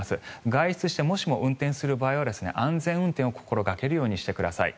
外出してもしも運転する場合は安全運転を心掛けるようにしてください。